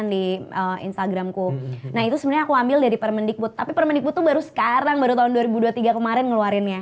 nah itu sebenarnya aku ambil dari permendikbud tapi permendikbud itu baru sekarang baru tahun dua ribu dua puluh tiga kemarin ngeluarinnya